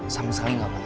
sama sama enggak pak